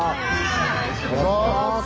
お願いします！